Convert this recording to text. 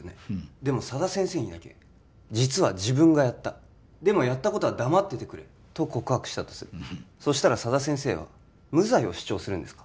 でも佐田先生にだけ「実は自分がやった」「でもやったことは黙っててくれ」と告白したとするそしたら佐田先生は無罪を主張するんですか？